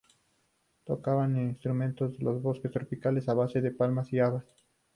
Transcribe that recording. Tocaban con instrumentos de los bosques tropicales a base de palmas y habas.